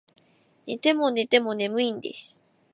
寝ても寝ても眠いんです